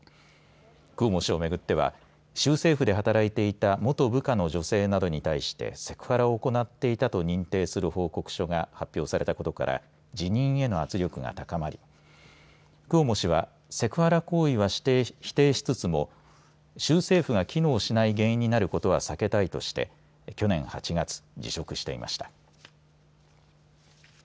クオモ氏を巡っては、州政府で働いていた元部下の女性などに対してセクハラを行っていたと認定する報告書が発表されたことから辞任への圧力が高まりクオモ氏はセクハラ行為は否定しつつも州政府が機能しない原因になることは避けたいとして去年８月、辞職していました。